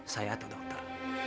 saya atau dokter